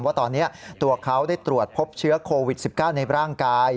ว่าตอนนี้ตัวเขาได้ตรวจพบเชื้อโควิด๑๙ในร่างกาย